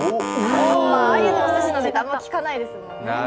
鮎のおすしのネタ、あんま聞かないですもんね。